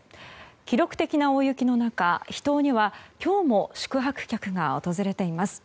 記録的な大雪の中、秘湯には今日も宿泊客が訪れています。